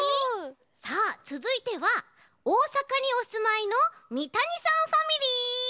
さあつづいては大阪におすまいのみたにさんファミリー！